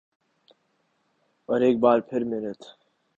اورایک بار پھر محنت